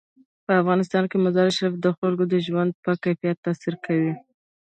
په افغانستان کې مزارشریف د خلکو د ژوند په کیفیت تاثیر کوي.